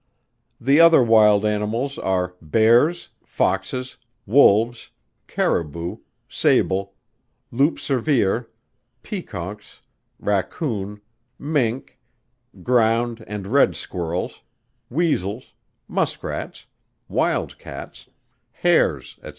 The other wild animals are Bears, Foxes, Wolves, Caraboo, Sable, Loup cervier, Peaconks, Racoon, Mink, Ground and Red Squirrels, Weasels, Muskrats, Wild Cats, Hares, &c.